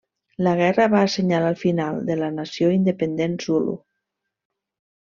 La guerra va assenyalar el final de la nació independent Zulu.